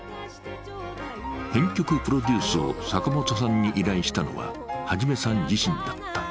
編曲・プロデュースを坂本さんに依頼したのは元さん自身だった。